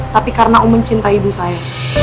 tapi karena om mencintai ibu saya